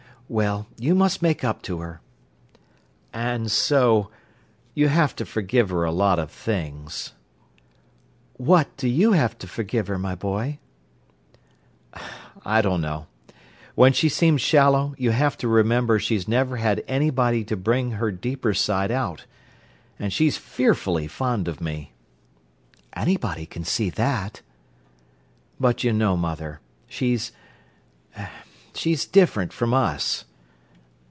Well, you must make up to her." "And so—you have to forgive her a lot of things." "What do you have to forgive her, my boy?" "I dunno. When she seems shallow, you have to remember she's never had anybody to bring her deeper side out. And she's fearfully fond of me." "Anybody can see that." "But you know, mother—she's—she's different from us.